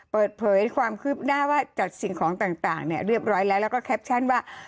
เปิดเผยความคืบหน้าว่าจัดสิ่งของต่างเรียบร้อยแล้วแล้วก็แคปชั่นว่า